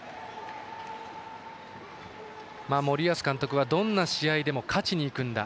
森保監督はどんな試合でも勝ちにいくんだ。